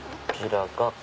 こちらが。